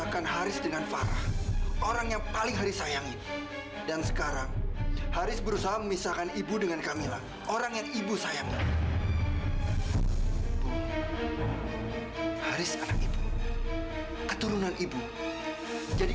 karena mila ada urusan sama edo